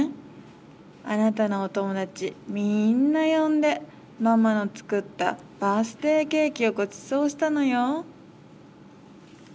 あなたのおともだちみんなよんで、ママのつくったバースデイケーキをごちそうしたのよ』」。